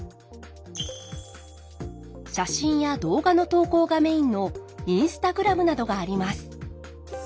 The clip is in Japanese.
写真や動画の投稿がメインのＩｎｓｔａｇｒａｍなどがあります。